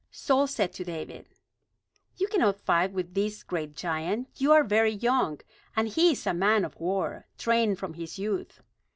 Saul said to David: "You cannot fight with this great giant. You are very young; and he is a man of war, trained from his youth."